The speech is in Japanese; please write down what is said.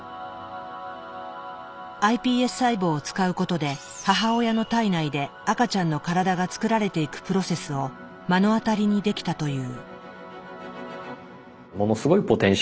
ｉＰＳ細胞を使うことで母親の胎内で赤ちゃんの体がつくられていくプロセスを目の当たりにできたという。